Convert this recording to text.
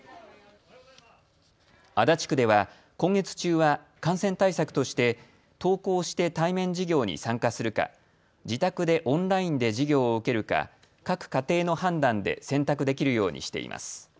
足立区では今月中は感染対策として登校して対面授業に参加するか自宅でオンラインで授業を受けるか各家庭の判断で選択できるようにしています。